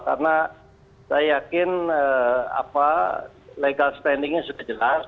karena saya yakin legal standingnya sudah jelas